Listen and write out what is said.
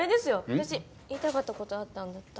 私言いたかった事あったんだった。